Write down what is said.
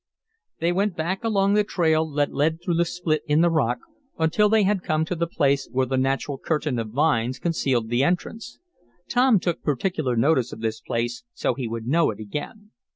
They went back along the trail that led through the split in the rock, until they had come to the place where the natural curtain of vines concealed the entrance. Tom took particular notice of this place so he would know it again.